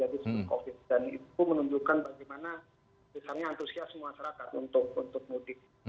dan itu menunjukkan bagaimana antusias semua masyarakat untuk mudik